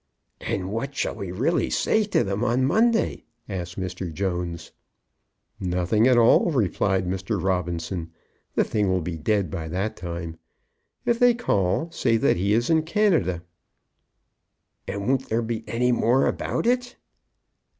"And what shall we really say to them on Monday?" asked Mr. Jones. "Nothing at all," replied Mr. Robinson. "The thing will be dead by that time. If they call, say that he's in Canada." "And won't there be any more about it?"